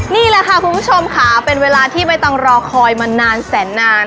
นี่แหละค่ะคุณผู้ชมค่ะเป็นเวลาที่ใบตองรอคอยมานานแสนนาน